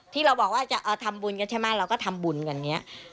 ที่เราบอกว่าจะทำบุญกันใช่ไหมเราก็ทำบุญกันอย่างนี้